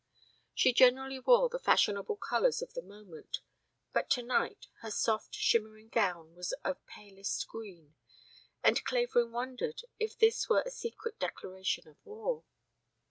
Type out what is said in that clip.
She generally wore the fashionable colors of the moment, but tonight her soft shimmering gown was of palest green, and Clavering wondered if this were a secret declaration of war.